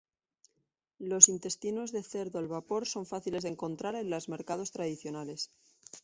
Los intestinos de cerdo al vapor son fáciles de encontrar en los mercados tradicionales.